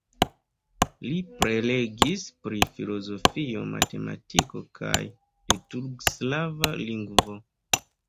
Li prelegis pri filozofio, matematiko kaj liturg-slava lingvo.